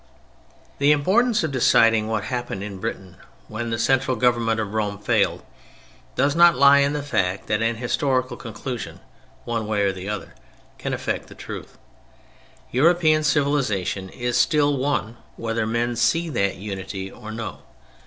The importance of deciding what happened in Britain when the central government of Rome failed, does not lie in the fact that an historical conclusion one way or the other can affect the truth. European civilization is still one whether men see that unity or no.